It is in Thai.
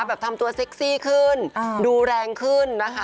ทำตัวเซ็กซี่ขึ้นดูแรงขึ้นนะคะ